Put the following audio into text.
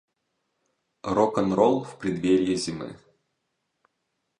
Рок-н-ролл в предверьи зимы.